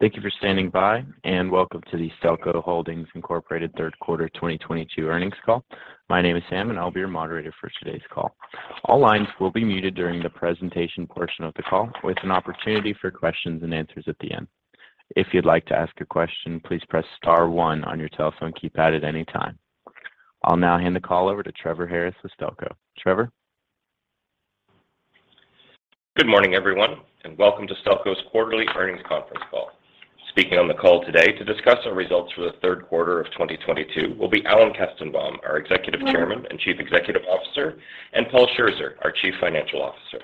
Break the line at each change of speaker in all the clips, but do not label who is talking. Thank you for standing by and welcome to the Stelco Holdings Inc. Third Quarter 2022 Earnings Call. My name is Sam and I'll be your moderator for today's call. All lines will be muted during the presentation portion of the call with an opportunity for questions and answers at the end. If you'd like to ask a question, please press star one on your telephone keypad at any time. I'll now hand the call over to Trevor Harris with Stelco. Trevor.
Good morning, everyone, and welcome to Stelco's Quarterly Earnings Conference Call. Speaking on the call today to discuss our results for the third quarter of 2022 will be Alan Kestenbaum, our Executive Chairman and Chief Executive Officer, and Paul Scherzer, our Chief Financial Officer.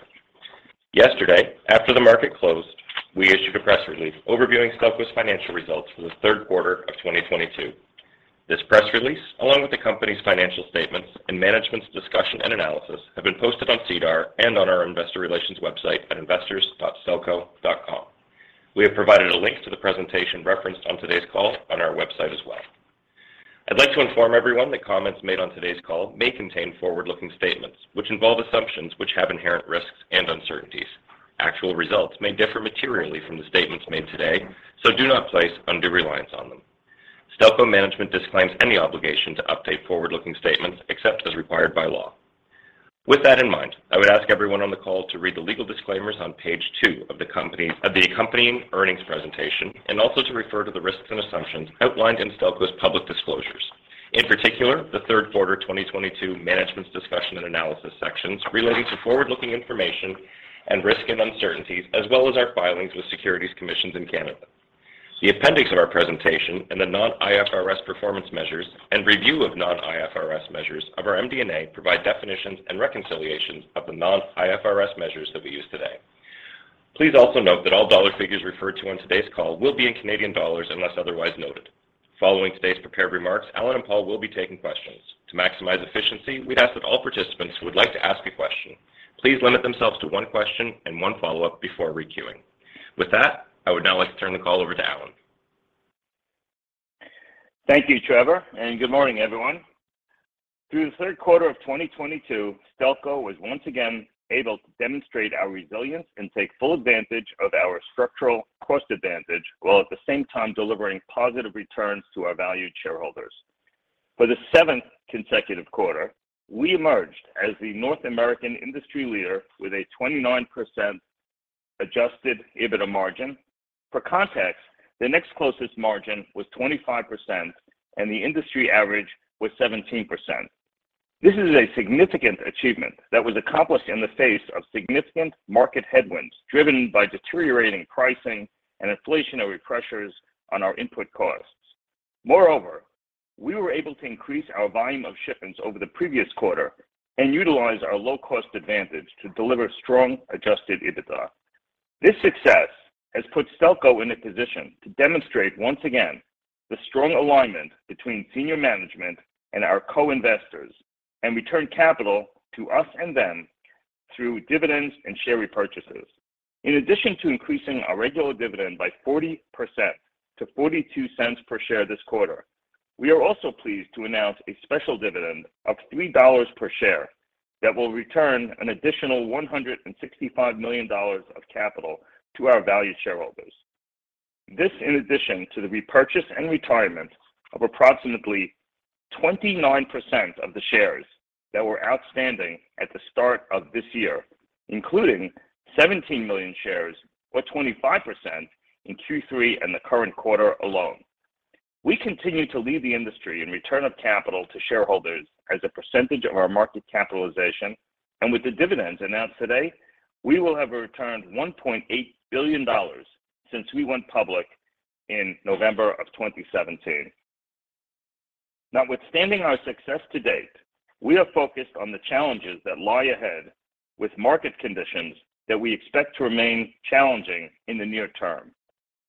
Yesterday, after the market closed, we issued a press release overviewing Stelco's Financial Results for the Third Quarter of 2022. This press release, along with the company's financial statements and management's discussion and analysis, have been posted on SEDAR and on our investor relations website at investors.stelco.com. We have provided a link to the presentation referenced on today's call on our website as well. I'd like to inform everyone that comments made on today's call may contain forward-looking statements which involve assumptions which have inherent risks and uncertainties. Actual results may differ materially from the statements made today, so do not place undue reliance on them. Stelco management disclaims any obligation to update forward-looking statements except as required by law. With that in mind, I would ask everyone on the call to read the legal disclaimers on page 2 of the accompanying earnings presentation, and also to refer to the risks and assumptions outlined in Stelco's public disclosures. In particular, the third quarter 2022 Management's Discussion and Analysis sections relating to forward-looking information and risks and uncertainties, as well as our filings with securities commissions in Canada. The appendix of our presentation and the non-IFRS performance measures and review of non-IFRS measures of our MD&A provide definitions and reconciliations of the non-IFRS measures that we use today. Please also note that all dollar figures referred to on today's call will be in Canadian dollars unless otherwise noted. Following today's prepared remarks, Alan and Paul will be taking questions. To maximize efficiency, we ask that all participants who would like to ask a question please limit themselves to one question and one follow-up before re-queuing. With that, I would now like to turn the call over to Alan.
Thank you, Trevor, and good morning, everyone. Through the third quarter of 2022, Stelco was once again able to demonstrate our resilience and take full advantage of our structural cost advantage, while at the same time delivering positive returns to our valued shareholders. For the seventh consecutive quarter, we emerged as the North American industry leader with a 29% adjusted EBITDA margin. For context, the next closest margin was 25% and the industry average was 17%. This is a significant achievement that was accomplished in the face of significant market headwinds, driven by deteriorating pricing and inflationary pressures on our input costs. Moreover, we were able to increase our volume of shipments over the previous quarter and utilize our low-cost advantage to deliver strong adjusted EBITDA. This success has put Stelco in a position to demonstrate once again the strong alignment between senior management and our co-investors, and return capital to us and them through dividends and share repurchases. In addition to increasing our regular dividend by 40% to 0.42 per share this quarter, we are also pleased to announce a special dividend of 3 dollars per share that will return an additional 165 million dollars of capital to our valued shareholders. This in addition to the repurchase and retirement of approximately 29% of the shares that were outstanding at the start of this year, including 17 million shares or 25% in Q3 and the current quarter alone. We continue to lead the industry in return of capital to shareholders as a percentage of our market capitalization, and with the dividends announced today, we will have returned 1.8 billion dollars since we went public in November 2017. Notwithstanding our success to date, we are focused on the challenges that lie ahead with market conditions that we expect to remain challenging in the near term.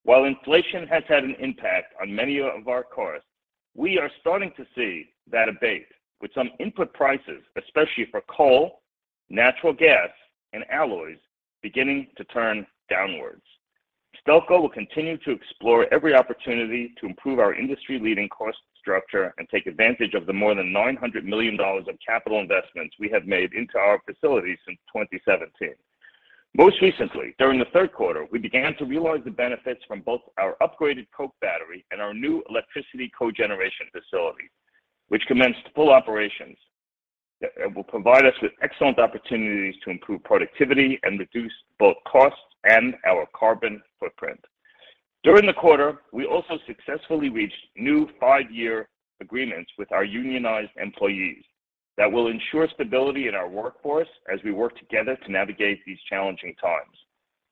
While inflation has had an impact on many of our costs, we are starting to see that abate with some input prices, especially for coal, natural gas, and alloys, beginning to turn downwards. Stelco will continue to explore every opportunity to improve our industry-leading cost structure and take advantage of the more than 900 million dollars of capital investments we have made into our facilities since 2017. Most recently, during the third quarter, we began to realize the benefits from both our upgraded coke battery and our new electricity cogeneration facility, which commenced full operations that will provide us with excellent opportunities to improve productivity and reduce both costs and our carbon footprint. During the quarter, we also successfully reached new five-year agreements with our unionized employees that will ensure stability in our workforce as we work together to navigate these challenging times.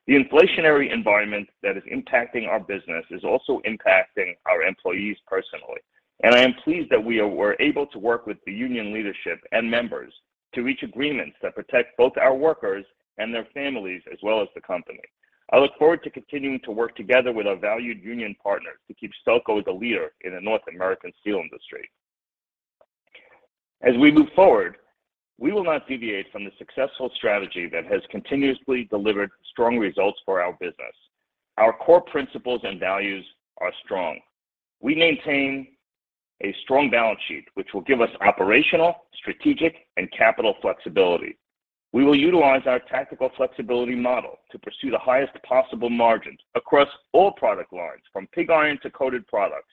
The inflationary environment that is impacting our business is also impacting our employees personally, and I am pleased that we were able to work with the union leadership and members to reach agreements that protect both our workers and their families as well as the company. I look forward to continuing to work together with our valued union partners to keep Stelco as a leader in the North American steel industry. As we move forward, we will not deviate from the successful strategy that has continuously delivered strong results for our business. Our core principles and values are strong. We maintain a strong balance sheet, which will give us operational, strategic, and capital flexibility. We will utilize our tactical flexibility model to pursue the highest possible margins across all product lines, from pig iron to coated products,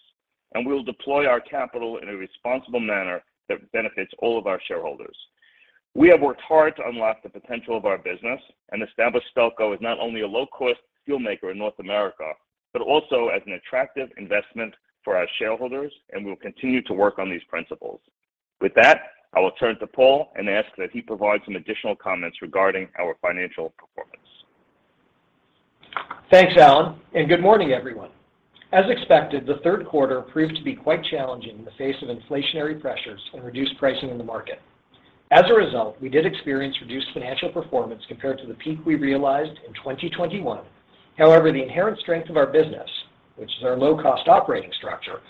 and we will deploy our capital in a responsible manner that benefits all of our shareholders. We have worked hard to unlock the potential of our business and establish Stelco as not only a low-cost steelmaker in North America, but also as an attractive investment for our shareholders, and we will continue to work on these principles. With that, I will turn to Paul and ask that he provide some additional comments regarding our financial performance.
Thanks, Alan, and good morning, everyone. As expected, the third quarter proved to be quite challenging in the face of inflationary pressures and reduced pricing in the market. As a result, we did experience reduced financial performance compared to the peak we realized in 2021. However, the inherent strength of our business, which is our low-cost operating structure,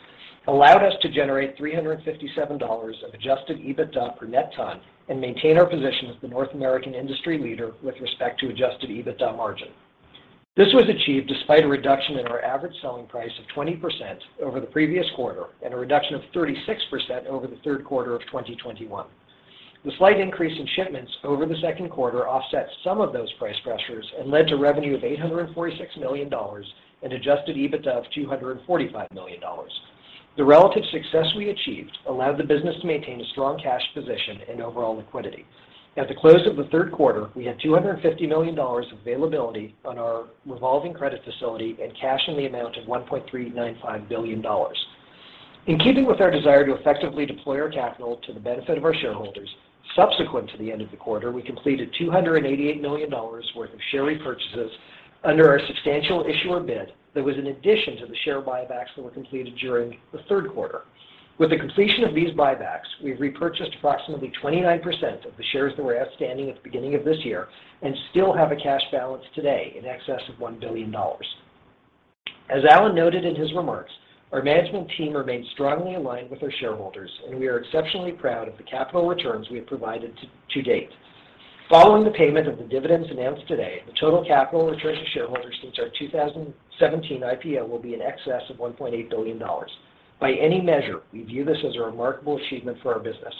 allowed us to generate 357 dollars of adjusted EBITDA per net ton and maintain our position as the North American industry leader with respect to adjusted EBITDA margin. This was achieved despite a reduction in our average selling price of 20% over the previous quarter and a reduction of 36% over the third quarter of 2021. The slight increase in shipments over the second quarter offset some of those price pressures and led to revenue of 846 million dollars and adjusted EBITDA of 245 million dollars. The relative success we achieved allowed the business to maintain a strong cash position and overall liquidity. At the close of the third quarter, we had 250 million dollars availability on our revolving credit facility and cash in the amount of 1.395 billion dollars. In keeping with our desire to effectively deploy our capital to the benefit of our shareholders, subsequent to the end of the quarter, we completed 288 million dollars worth of share repurchases under our substantial issuer bid that was in addition to the share buybacks that were completed during the third quarter. With the completion of these buybacks, we've repurchased approximately 29% of the shares that were outstanding at the beginning of this year and still have a cash balance today in excess of 1 billion dollars. As Alan noted in his remarks, our management team remains strongly aligned with our shareholders, and we are exceptionally proud of the capital returns we have provided to date. Following the payment of the dividends announced today, the total capital return to shareholders since our 2017 IPO will be in excess of 1.8 billion dollars. By any measure, we view this as a remarkable achievement for our business.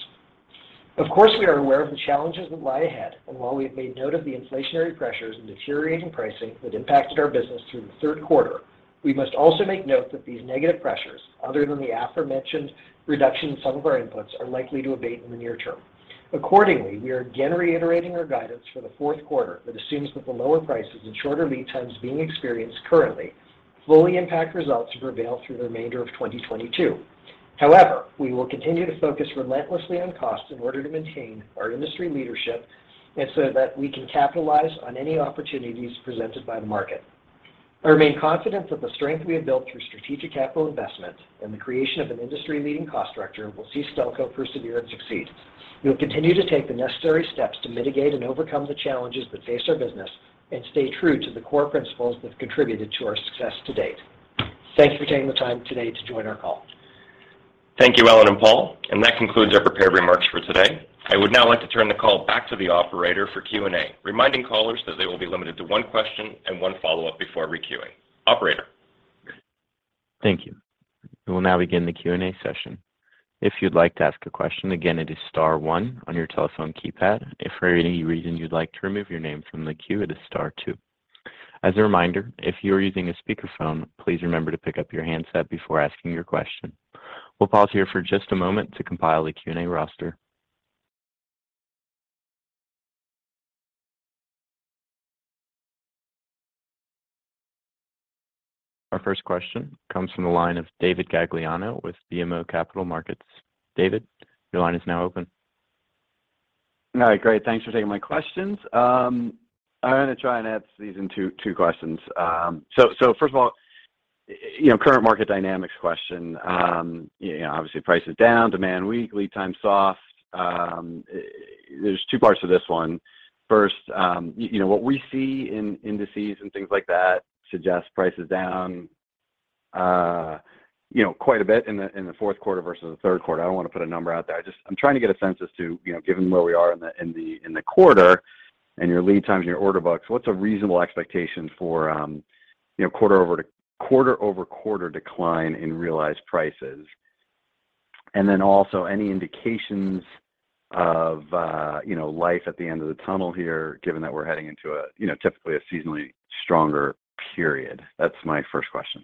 Of course, we are aware of the challenges that lie ahead, and while we have made note of the inflationary pressures and deteriorating pricing that impacted our business through the third quarter, we must also make note that these negative pressures, other than the aforementioned reduction in some of our inputs, are likely to abate in the near term. Accordingly, we are again reiterating our guidance for the fourth quarter that assumes that the lower prices and shorter lead times being experienced currently fully impact results to prevail through the remainder of 2022. However, we will continue to focus relentlessly on cost in order to maintain our industry leadership and so that we can capitalize on any opportunities presented by the market. I remain confident that the strength we have built through strategic capital investment and the creation of an industry-leading cost structure will see Stelco persevere and succeed. We'll continue to take the necessary steps to mitigate and overcome the challenges that face our business and stay true to the core principles that have contributed to our success to date. Thank you for taking the time today to join our call.
Thank you, Alan and Paul. That concludes our prepared remarks for today. I would now like to turn the call back to the operator for Q&A, reminding callers that they will be limited to one question and one follow-up before requeuing. Operator?
Thank you. We will now begin the Q&A session. If you'd like to ask a question, again, it is star one on your telephone keypad. If for any reason you'd like to remove your name from the queue, it is star two. As a reminder, if you are using a speakerphone, please remember to pick up your handset before asking your question. We'll pause here for just a moment to compile a Q&A roster. Our first question comes from the line of David Gagliano with BMO Capital Markets. David, your line is now open.
All right, great. Thanks for taking my questions. I'm gonna try and ask these in two questions. So first of all, you know, current market dynamics question. You know, obviously price is down, demand weak, lead time soft. There's two parts to this one. First, you know, what we see in indices and things like that suggests price is down, you know, quite a bit in the fourth quarter versus the third quarter. I don't want to put a number out there. I just, I'm trying to get a sense as to, you know, given where we are in the quarter and your lead times and your order books, what's a reasonable expectation for, you know, quarter-over-quarter decline in realized prices? Any indications of, you know, life at the end of the tunnel here, given that we're heading into a, you know, typically a seasonally stronger period? That's my first question.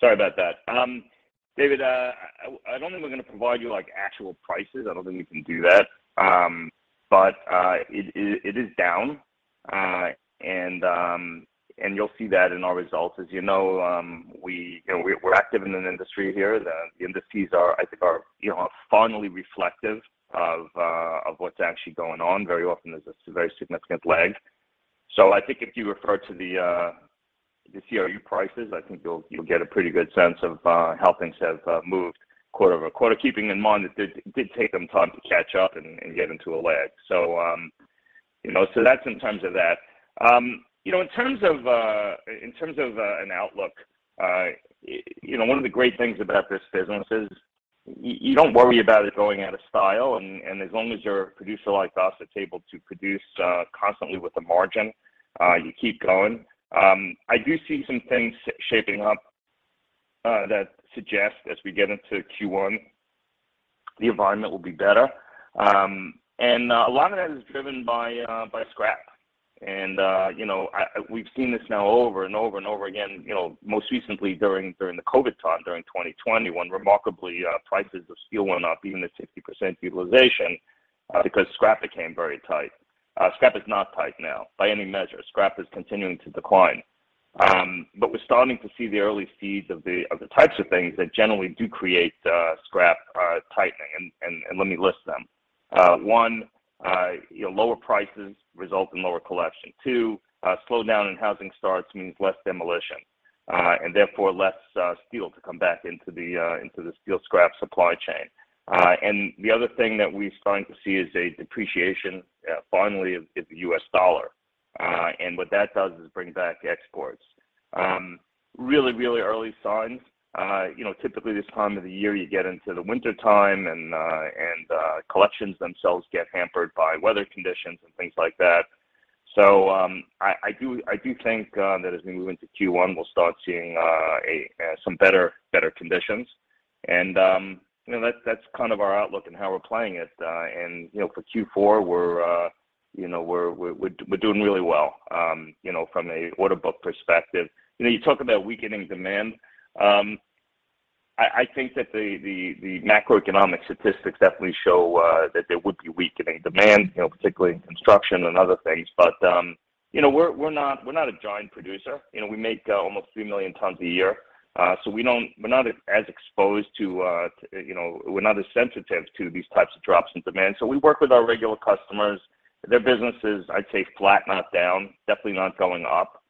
Sorry about that. David, I don't think we're gonna provide you, like, actual prices. I don't think we can do that. It is down. You'll see that in our results. As you know, we're active in an industry here. The indices are, I think, you know, finally reflective of what's actually going on. Very often, there's a very significant lag. I think if you refer to the CRU prices, I think you'll get a pretty good sense of how things have moved quarter-over-quarter, keeping in mind that it did take them time to catch up and get into a lag. You know, that's in terms of that. You know, in terms of an outlook, you know, one of the great things about this business is you don't worry about it going out of style, and as long as you're a producer like us that's able to produce constantly with a margin, you keep going. I do see some things shaping up that suggest as we get into Q1, the environment will be better. A lot of that is driven by scrap. You know, we've seen this now over and over again, most recently during the COVID time, during 2021, remarkably, prices of steel went up even at 60% utilization, because scrap became very tight. Scrap is not tight now by any measure. Scrap is continuing to decline. We're starting to see the early seeds of the types of things that generally do create scrap tightening and let me list them. One, you know, lower prices result in lower collection. Two, slowdown in housing starts means less demolition and therefore less steel to come back into the steel scrap supply chain. The other thing that we're starting to see is a depreciation finally of the U.S. dollar and what that does is bring back exports. Really early signs. You know, typically this time of the year, you get into the wintertime and collections themselves get hampered by weather conditions and things like that. I do think that as we move into Q1, we'll start seeing some better conditions. You know, that's kind of our outlook and how we're playing it. You know, for Q4, we're doing really well, you know, from an order book perspective. You know, you talk about weakening demand. I think that the macroeconomic statistics definitely show that there would be weakening demand, you know, particularly in construction and other things. You know, we're not a giant producer. You know, we make almost 3 million tons a year, so we're not as exposed to, you know, we're not as sensitive to these types of drops in demand. We work with our regular customers. Their business is, I'd say, flat, not down, definitely not going up.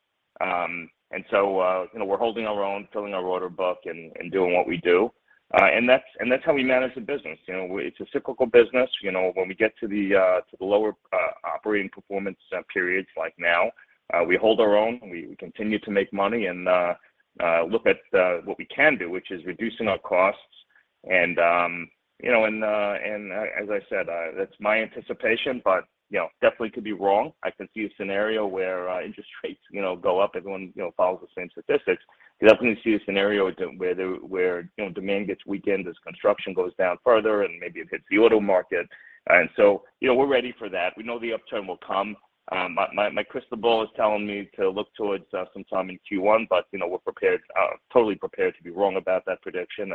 You know, we're holding our own, filling our order book, and doing what we do. That's how we manage the business. You know, it's a cyclical business. You know, when we get to the lower operating performance periods like now, we hold our own, we continue to make money and look at what we can do, which is reducing our costs. You know, as I said, that's my anticipation, but you know, definitely could be wrong. I can see a scenario where interest rates, you know, go up. Everyone, you know, follows the same statistics. You definitely see a scenario where you know, demand gets weakened as construction goes down further, and maybe it hits the auto market. You know, we're ready for that. We know the upturn will come. My crystal ball is telling me to look towards sometime in Q1, but you know, we're prepared totally prepared to be wrong about that prediction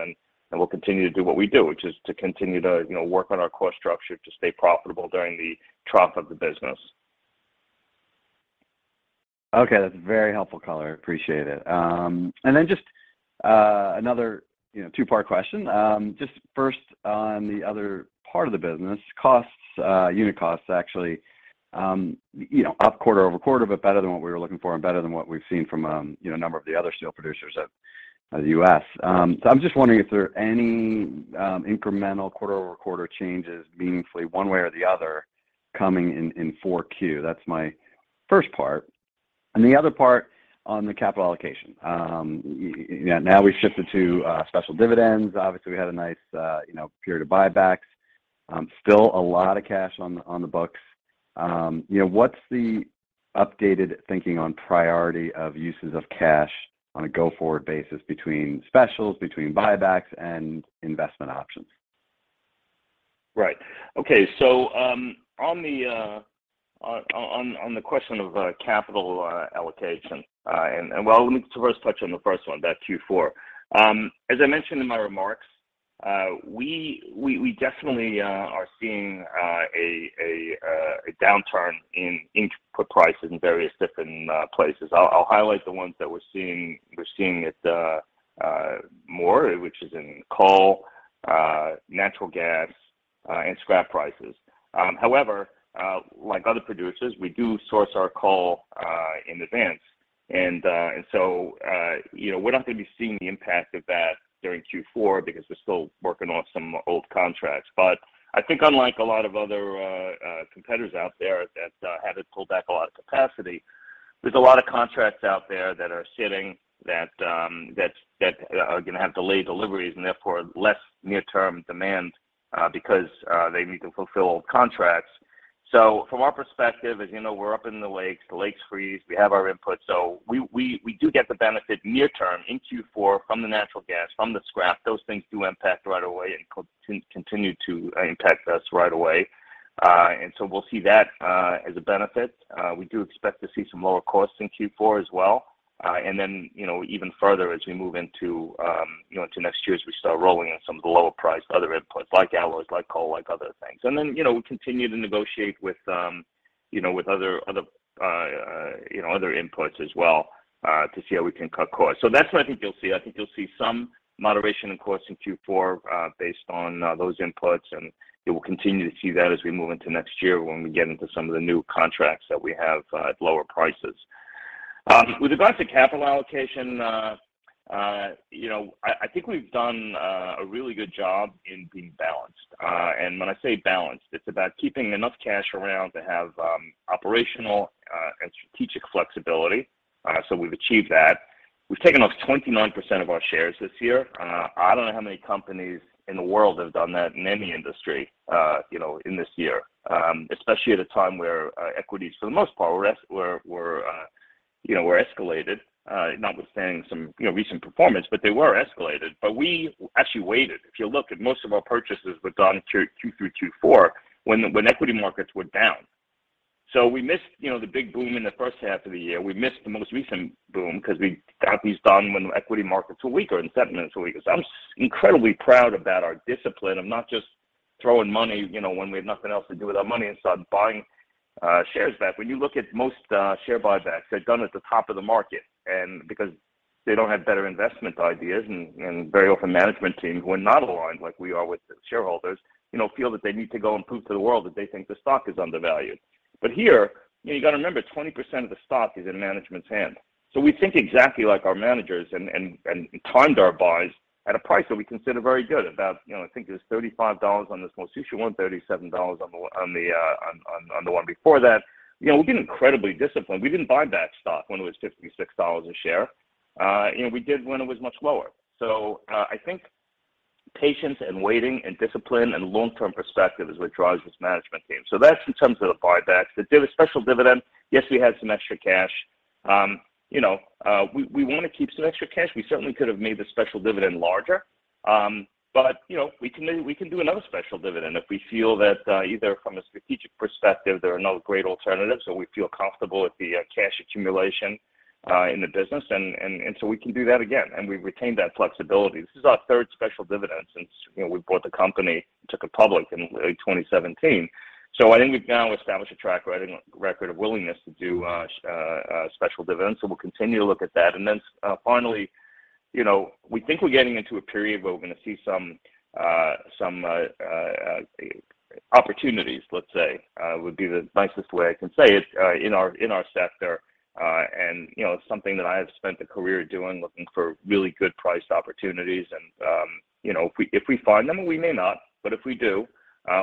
and we'll continue to do what we do, which is to continue to you know, work on our cost structure to stay profitable during the trough of the business.
Okay. That's very helpful, Colin. Appreciate it. Just another, you know, 2-part question. Just first on the other part of the business, costs, unit costs actually, you know, up quarter-over-quarter, but better than what we were looking for and better than what we've seen from, you know, a number of the other steel producers at the U.S. I'm just wondering if there are any incremental quarter-over-quarter changes meaningfully one way or the other coming in 4Q. That's my first part. The other part on the capital allocation. You know, now we've shifted to special dividends. Obviously, we had a nice, you know, period of buybacks. Still a lot of cash on the books. You know, what's the updated thinking on priority of uses of cash on a go-forward basis between specials, between buybacks and investment options?
Right. Okay. On the question of capital allocation, and well, let me first touch on the first one, that Q4. As I mentioned in my remarks, we definitely are seeing a downturn in input prices in various different places. I'll highlight the ones that we're seeing, we're seeing it more, which is in coal, natural gas, and scrap prices. However, like other producers, we do source our coal in advance. You know, we're not going to be seeing the impact of that during Q4 because we're still working off some old contracts. I think unlike a lot of other competitors out there that haven't pulled back a lot of capacity, there's a lot of contracts out there that are sitting that are gonna have delayed deliveries and therefore less near-term demand because they need to fulfill contracts. From our perspective, as you know, we're up in the lakes, the lakes freeze, we have our inputs. We do get the benefit near term in Q4 from the natural gas, from the scrap. Those things do impact right away and continue to impact us right away. We'll see that as a benefit. We do expect to see some lower costs in Q4 as well. You know, even further as we move into next year as we start rolling in some of the lower priced other inputs like alloys, like coal, like other things. You know, we continue to negotiate with other inputs as well to see how we can cut costs. That's what I think you'll see. I think you'll see some moderation in costs in Q4 based on those inputs, and you will continue to see that as we move into next year when we get into some of the new contracts that we have at lower prices. With regards to capital allocation, you know, I think we've done a really good job in being balanced. When I say balanced, it's about keeping enough cash around to have operational and strategic flexibility. We've achieved that. We've taken off 29% of our shares this year, and I don't know how many companies in the world have done that in any industry, you know, in this year, especially at a time where equities, for the most part were escalated. Notwithstanding some, you know, recent performance, but they were escalated. But we actually waited. If you look at most of our purchases were done through Q2 through Q4 when equity markets were down. We missed, you know, the big boom in the first half of the year. We missed the most recent boom because we got these done when equity markets were weaker and sentiment was weaker. I'm incredibly proud about our discipline of not just throwing money, you know, when we have nothing else to do with our money, instead of buying shares back. When you look at most share buybacks, they're done at the top of the market, and because they don't have better investment ideas, and very often management teams who are not aligned like we are with shareholders, you know, feel that they need to go and prove to the world that they think the stock is undervalued. But here, you know, you got to remember, 20% of the stock is in management's hand. We think exactly like our managers and timed our buys at a price that we consider very good. You know, I think it was 35 dollars on this most recent one, 37 dollars on the one before that. You know, we've been incredibly disciplined. We didn't buy back stock when it was 56 dollars a share. You know, we did when it was much lower. I think patience and waiting and discipline and long-term perspective is what drives this management team. That's in terms of the buybacks. The special dividend, yes, we had some extra cash. You know, we want to keep some extra cash. We certainly could have made the special dividend larger. You know, we can do another special dividend if we feel that either from a strategic perspective there are no great alternatives, or we feel comfortable with the cash accumulation in the business, and so we can do that again, and we retain that flexibility. This is our third special dividend since you know we bought the company, took it public in late 2017. I think we've now established a track record of willingness to do a special dividend. We'll continue to look at that. Finally, you know, we think we're getting into a period where we're going to see some opportunities, let's say would be the nicest way I can say it, in our sector. You know, it's something that I have spent a career doing, looking for really good priced opportunities and, you know, if we find them, and we may not, but if we do,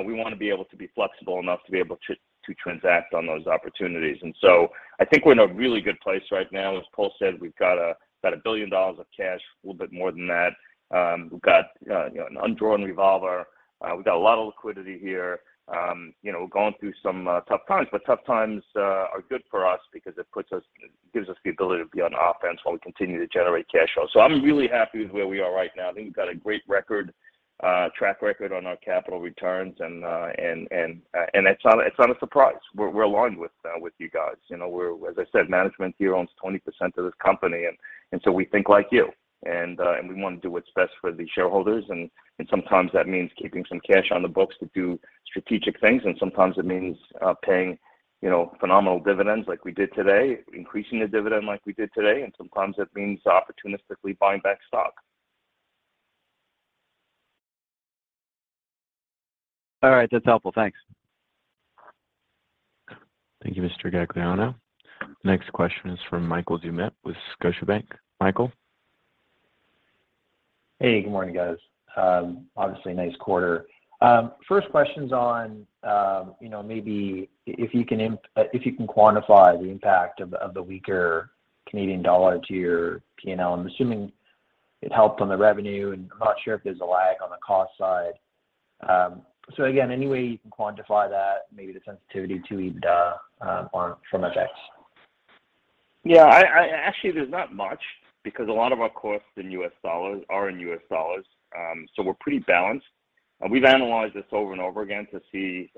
we want to be able to be flexible enough to transact on those opportunities. I think we're in a really good place right now. As Paul said, we've got 1 billion dollars of cash, a little bit more than that. You know, we've got an undrawn revolver. We've got a lot of liquidity here. You know, we're going through some tough times, but tough times are good for us because it gives us the ability to be on offense while we continue to generate cash flow. I'm really happy with where we are right now. I think we've got a great record, track record on our capital returns, and it's not a surprise. We're aligned with you guys. You know, we're as I said, management here owns 20% of this company, and so we think like you. We want to do what's best for the shareholders, and sometimes that means keeping some cash on the books to do strategic things, and sometimes it means paying, you know, phenomenal dividends like we did today, increasing the dividend like we did today, and sometimes it means opportunistically buying back stock.
All right. That's helpful. Thanks.
Thank you, Mr. Gagliano. Next question is from Michael Doumet with Scotiabank. Michael.
Hey, good morning, guys. Obviously nice quarter. First question's on, you know, maybe if you can quantify the impact of the weaker Canadian dollar to your P&L. I'm assuming it helped on the revenue, and I'm not sure if there's a lag on the cost side. Again, any way you can quantify that, maybe the sensitivity to FX, on FX effects?
Yeah. Actually, there's not much because a lot of our costs are in U.S. dollars, so we're pretty balanced. We've analyzed this over and over again to see,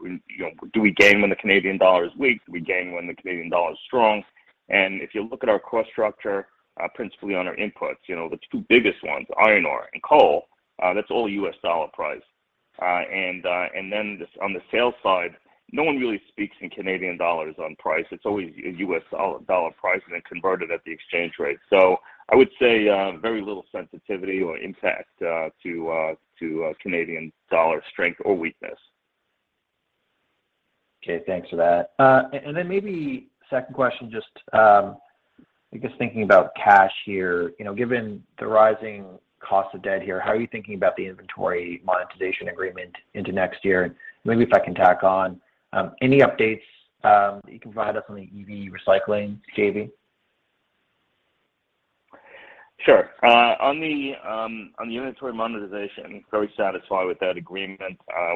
you know, do we gain when the Canadian dollar is weak? Do we gain when the Canadian dollar is strong? If you look at our cost structure, principally on our inputs, you know, the two biggest ones, iron ore and coal, that's all U.S. dollar priced. On the sales side, no one really speaks in Canadian dollars on price. It's always a U.S. dollar price, and then converted at the exchange rate. I would say very little sensitivity or impact to Canadian dollar strength or weakness.
Okay. Thanks for that. My second question, just, I guess thinking about cash here. You know, given the rising cost of debt here, how are you thinking about the inventory monetization agreement into next year? Maybe if I can tack on, any updates you can provide us on the EV recycling JV?
Sure. On the inventory monetization, very satisfied with that agreement.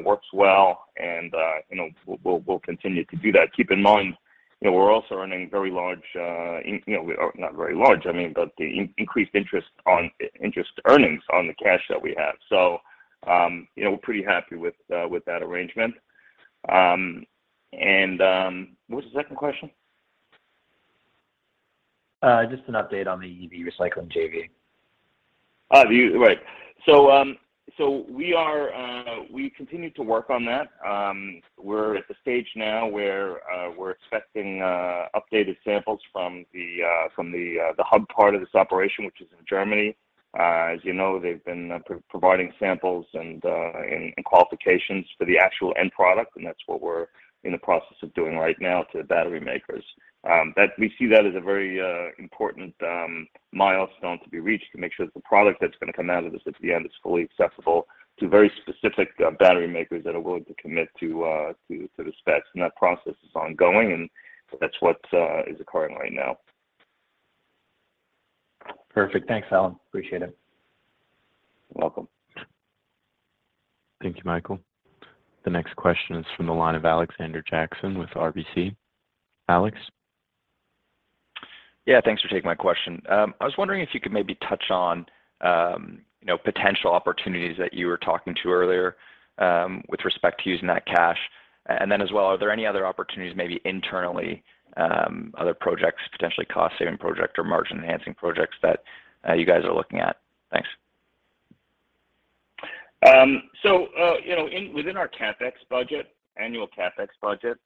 Works well and, you know, we'll continue to do that. Keep in mind, you know, we're also earning very large, you know, well, not very large, I mean, but the increased interest earnings on the cash that we have. We're pretty happy with that arrangement. What was the second question?
Just an update on the EV recycling JV.
Oh, the EV. Right. We continue to work on that. We're at the stage now where we're expecting updated samples from the hub part of this operation, which is in Germany. As you know, they've been providing samples and qualifications for the actual end product, and that's what we're in the process of doing right now to battery makers. We see that as a very important milestone to be reached to make sure that the product that's gonna come out of this at the end is fully accessible to very specific battery makers that are willing to commit to the specs. That process is ongoing, and that's what is occurring right now.
Perfect. Thanks, Alan. Appreciate it.
You're welcome.
Thank you, Michael. The next question is from the line of Alexander Jackson with RBC. Alex?
Yeah, thanks for taking my question. I was wondering if you could maybe touch on, you know, potential opportunities that you were talking to earlier, with respect to using that cash. As well, are there any other opportunities maybe internally, other projects, potentially cost-saving project or margin-enhancing projects that you guys are looking at? Thanks.
Within our CapEx budget, annual CapEx budget,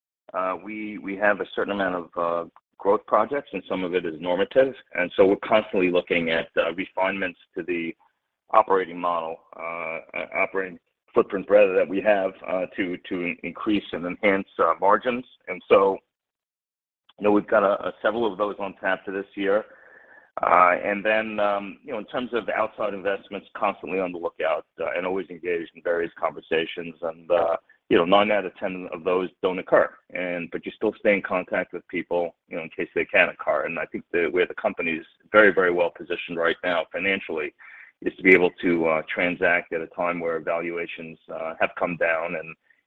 we have a certain amount of growth projects, and some of it is normative. You know, we're constantly looking at refinements to the operating model, operating footprint rather that we have, to increase and enhance our margins. You know, we've got several of those on tap for this year. You know, in terms of outside investments, constantly on the lookout and always engaged in various conversations. You know, nine out of ten of those don't occur, but you still stay in contact with people, you know, in case they can occur. I think the way the company is very, very well positioned right now financially is to be able to transact at a time where valuations have come down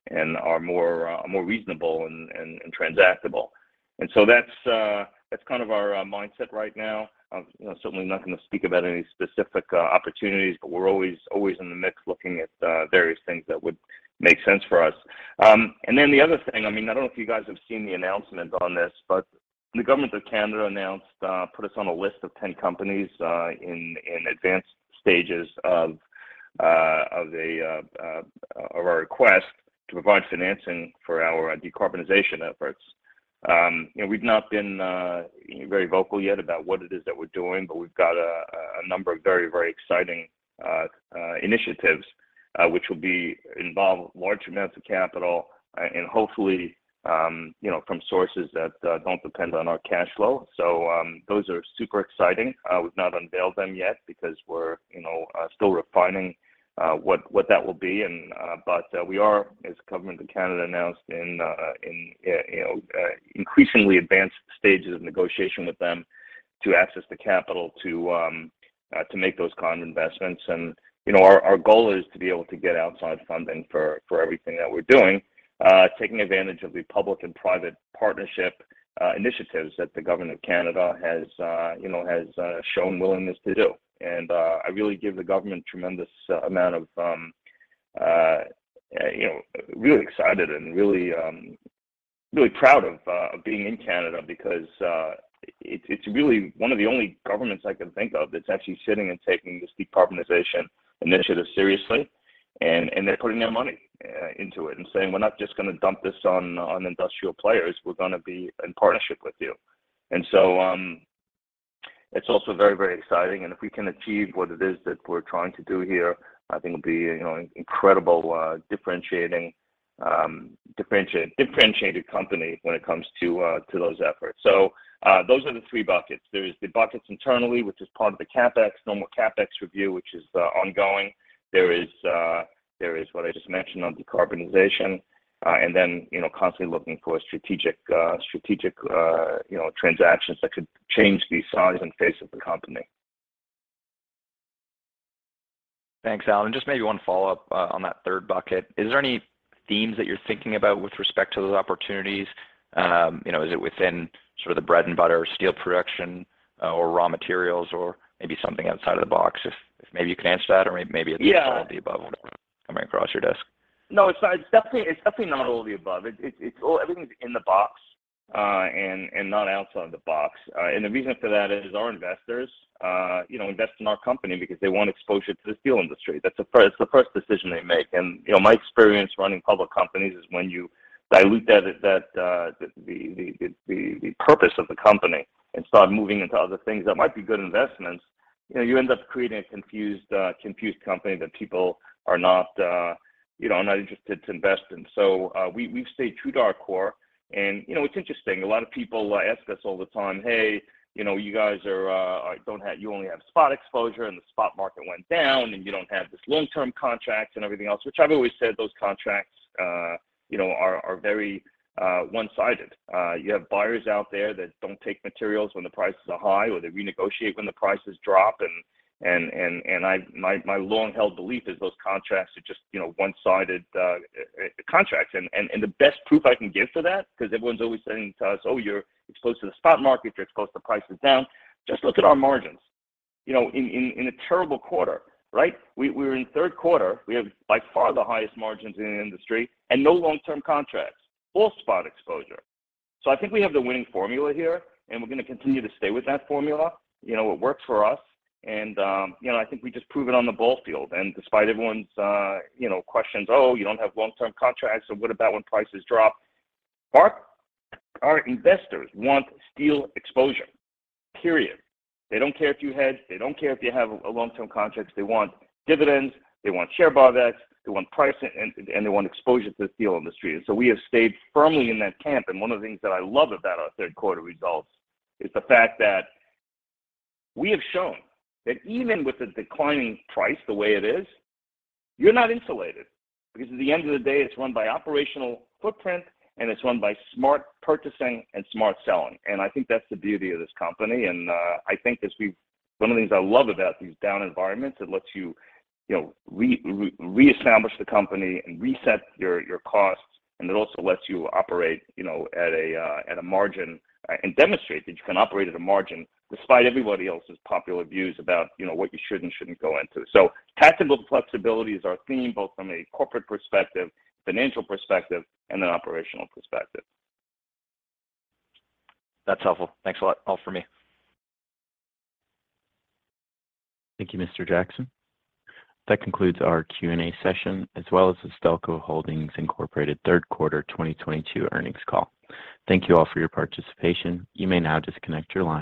and are more reasonable and transactable. That's kind of our mindset right now. You know, certainly not gonna speak about any specific opportunities, but we're always in the mix looking at various things that would make sense for us. The other thing, I mean, I don't know if you guys have seen the announcement on this, but the Government of Canada announced put us on a list of 10 companies in advanced stages of our request to provide financing for our decarbonization efforts. You know, we've not been very vocal yet about what it is that we're doing, but we've got a number of very exciting initiatives which will involve large amounts of capital and hopefully, you know, from sources that don't depend on our cash flow. Those are super exciting. We've not unveiled them yet because we're, you know, still refining what that will be. But we are, as the Government of Canada announced, in increasingly advanced stages of negotiation with them to access the capital to make those kind of investments. You know, our goal is to be able to get outside funding for everything that we're doing, taking advantage of the public and private partnership initiatives that the Government of Canada has you know shown willingness to do. I really give the Government of Canada tremendous amount of really excited and really proud of being in Canada because it's really one of the only governments I can think of that's actually sitting and taking this decarbonization initiative seriously. They're putting their money into it and saying, "We're not just gonna dump this on industrial players. We're gonna be in partnership with you." It's also very exciting. If we can achieve what it is that we're trying to do here, I think it'll be, you know, incredible, differentiated company when it comes to those efforts. Those are the three buckets. There is the buckets internally, which is part of the CapEx, normal CapEx review, which is, ongoing. There is what I just mentioned on decarbonization, and then, you know, constantly looking for strategic, you know, transactions that could change the size and face of the company.
Thanks, Alan. Just maybe one follow-up on that third bucket. Is there any themes that you're thinking about with respect to those opportunities? You know, is it within sort of the bread and butter steel production or raw materials, or maybe something outside of the box? If maybe you can answer that, or maybe it's
Yeah
All of the above coming across your desk.
No, it's not. It's definitely not all of the above. It's all everything's in the box, and not outside the box. The reason for that is our investors, you know, invest in our company because they want exposure to the Steel industry. That's the first decision they make. You know, my experience running public companies is when you dilute that, the purpose of the company and start moving into other things that might be good investments, you know, you end up creating a confused company that people are not interested to invest in. We've stayed true to our core. You know, it's interesting, a lot of people ask us all the time, "Hey, you know, you guys don't have—you only have spot exposure, and the spot market went down, and you don't have this long-term contracts and everything else," which I've always said those contracts, you know, are very one-sided. You have buyers out there that don't take materials when the prices are high or they renegotiate when the prices drop. My long-held belief is those contracts are just, you know, one-sided contracts. The best proof I can give to that, 'cause everyone's always saying to us, "Oh, you're exposed to the spot market, you're exposed to prices down," just look at our margins. You know, in a terrible quarter, right? We're in third quarter, we have by far the highest margins in the industry and no long-term contracts, all spot exposure. I think we have the winning formula here, and we're gonna continue to stay with that formula. You know, it works for us and, you know, I think we just prove it on the battlefield. Despite everyone's, you know, questions, "Oh, you don't have long-term contracts," or, "What about when prices drop?" Our investors want steel exposure, period. They don't care if you hedge. They don't care if you have a long-term contracts. They want dividends. They want share buybacks. They want price and they want exposure to the Steel industry. We have stayed firmly in that camp. One of the things that I love about our third quarter results is the fact that we have shown that even with the declining price the way it is, you're not insulated, because at the end of the day, it's run by operational footprint, and it's run by smart purchasing and smart selling. I think that's the beauty of this company, and one of the things I love about these down environments, it lets you know, reestablish the company and reset your costs, and it also lets you operate, you know, at a margin and demonstrate that you can operate at a margin despite everybody else's popular views about, you know, what you should and shouldn't go into. Tactical flexibility is our theme, both from a corporate perspective, financial perspective, and an operational perspective.
That's helpful. Thanks a lot. All for me.
Thank you, Mr. Jackson. That concludes our Q&A session, as well as the Stelco Holdings Inc. third quarter 2022 earnings call. Thank you all for your participation. You may now disconnect your lines.